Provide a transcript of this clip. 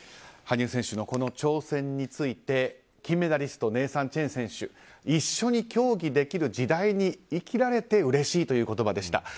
羽生選手の挑戦について金メダリストネイサン・チェン選手一緒に競技できる時代に生きられてうれしいという言葉でした。